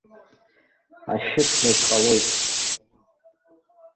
Ашьыцрагь ҟалоит.